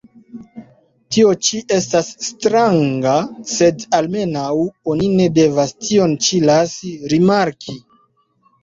Tio ĉi estas stranga, sed almenaŭ oni ne devas tion ĉi lasi rimarki!